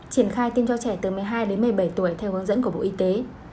triển khai tiêm cho trẻ từ một mươi hai đến một mươi bảy tuổi theo hướng dẫn của bộ y tế